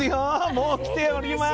もう来ております。